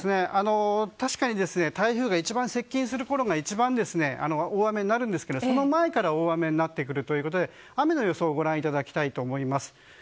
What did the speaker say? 確かに台風が一番接近するころが一番大雨になるんですがその前から大雨になってくるということで雨の予想をご覧いただきます。